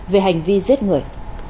về hành vi giết người